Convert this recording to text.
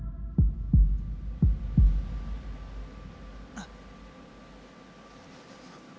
あっ。